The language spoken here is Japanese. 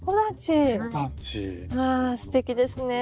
ああすてきですね。